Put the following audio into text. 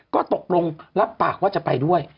ก็ตกลงรับปากว่าจะไปด้วย